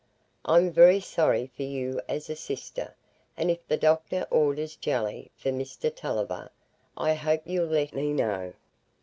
I'm very sorry for you as a sister, and if the doctor orders jelly for Mr Tulliver, I hope you'll let me know.